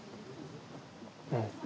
うん。